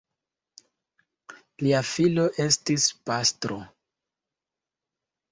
Lia filo estis pastro.